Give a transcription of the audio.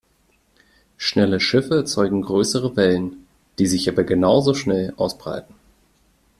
Schnelle Schiffe erzeugen größere Wellen, die sich aber genau so schnell ausbreiten.